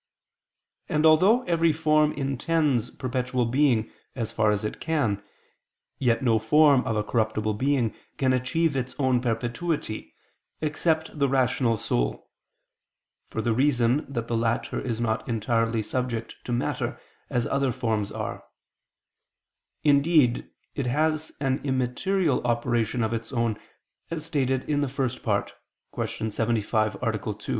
And although every form intends perpetual being as far as it can, yet no form of a corruptible being can achieve its own perpetuity, except the rational soul; for the reason that the latter is not entirely subject to matter, as other forms are; indeed it has an immaterial operation of its own, as stated in the First Part (Q. 75, A. 2).